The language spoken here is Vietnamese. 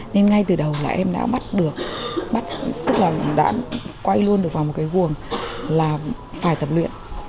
nên ngay từ đầu là em đã bắt được bắt tức là đã quay luôn được vào một cái buồng là phải tập luyện